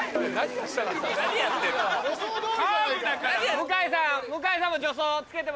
向井さん。